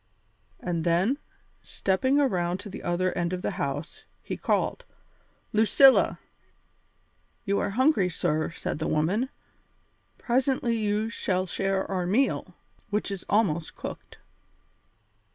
And then, stepping around to the other end of the house, he called, "Lucilla!" "You are hungry, sir," said the woman; "presently you shall share our meal, which is almost cooked."